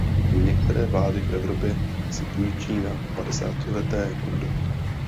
Některé vlády v Evropě si půjčují na padesátileté období.